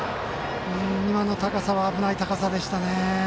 今の高さは危ない高さでしたね。